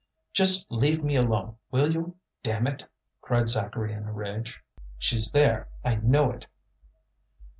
"Just leave me alone, will you? Damn it!" cried Zacharie in a rage. "She's there; I know it!"